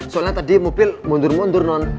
soalnya tadi mobil mundur mundur